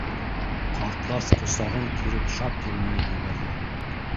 — Ҡартлас ҡосағын киреп шат йылмайып ебәрҙе.